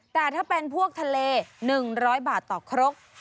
แต่ถ้าเป็นพวกทะเล๑๐๐บาทต่อครก